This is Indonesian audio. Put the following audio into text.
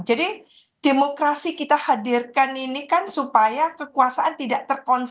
jadi demokrasi kita hadirkan ini kan supaya kekuasaan tidak terbatas